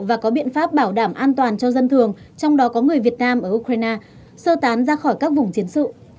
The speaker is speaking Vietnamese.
và có biện pháp bảo đảm an toàn cho dân thường trong đó có người việt nam ở ukraine sơ tán ra khỏi các vùng chiến sự